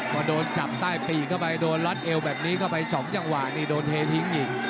ก็โดนจับใต้ปีกเข้าไปโดนล๊อตเอาแบบนี้เข้าไปสองจังหวะโดนเททิ้งนิด